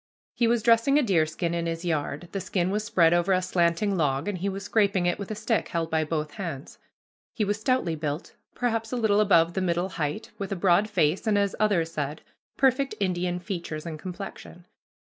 He was dressing a deerskin in his yard. The skin was spread over a slanting log, and he was scraping it with a stick held by both hands. He was stoutly built, perhaps a little above the middle height, with a broad face, and, as others said, perfect Indian features and complexion.